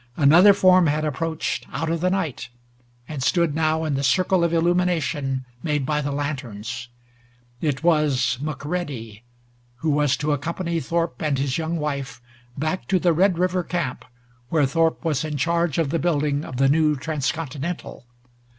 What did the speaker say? Another form had approached out of the night, and stood now in the circle of illumination made by the lanterns. It was McCready, who was to accompany Thorpe and his young wife back to the Red River camp, where Thorpe was in charge of the building of the new Trans continental.